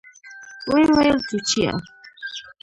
ويې ويل چوچيه.